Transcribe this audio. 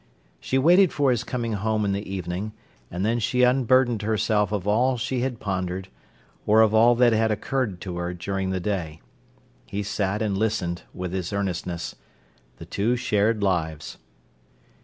She waited for his coming home in the evening, and then she unburdened herself of all she had pondered, or of all that had occurred to her during the day. He sat and listened with his earnestness. The two shared lives.